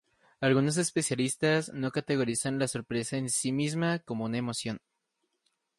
Algunos especialistas no categorizan la sorpresa en sí misma como una emoción.